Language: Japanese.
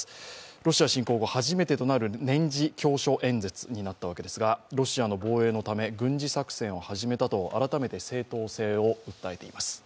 ロシア侵攻後初めてとなる年次教書演説となったわけですがロシアの防衛のため、軍事作戦を始めたと改めて正当性を訴えています。